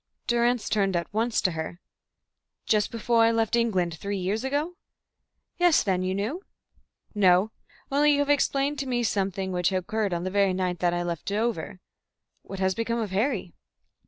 Durrance turned at once to her. "Just before I left England three years ago?" "Yes. Then you knew?" "No. Only you have explained to me something which occurred on the very night that I left Dover. What has become of Harry?"